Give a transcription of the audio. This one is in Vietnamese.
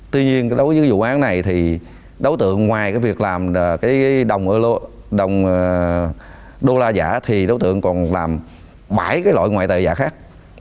tuy nhiên đối với vụ án này thì đấu tượng ngoài việc làm đồng đô la giả thì đấu tượng còn làm bảy loại ngoại tệ giả khác